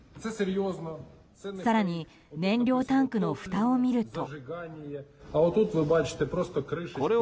更に、燃料タンクのふたを見ると。